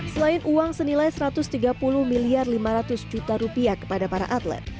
selain uang senilai rp satu ratus tiga puluh lima ratus kepada para atlet